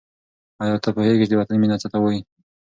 آیا ته پوهېږې چې د وطن مینه څه ته وايي؟